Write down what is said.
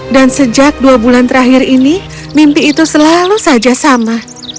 dan sejak dua bulan terakhir ini mimpi itu selalu saja sama